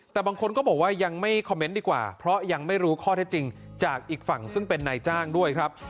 แต่บางคนก็บอกว่ายังไม่คอมเมนต์ดีกว่าเพราะยังไม่รู้ข้อเท็จจริงจากอีกฝั่งซึ่งเป็นนายจ้างด้วยครับ